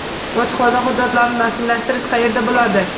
Bojxona hujjatlarini rasmiylashtirish qayerda bo'ladi?